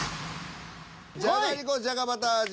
じゃがりこじゃがバター味